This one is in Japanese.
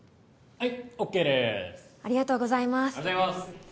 はい。